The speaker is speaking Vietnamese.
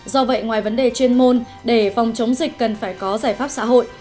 do vậy ngoài vấn đề chuyên môn để phòng chống dịch cần phải có giải pháp xã hội